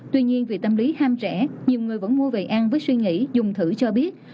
tuy nhiên vì tâm lý ham rẻ nhiều người vẫn mua về ăn với suy nghĩ dùng thử cho biết